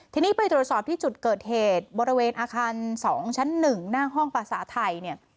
ทีนี้ไปตรวจสอบที่จุดเกิดเหตุบริเวณอาคาร๒ชั้น๑หน้าห้องภาษาไทยเนี่ย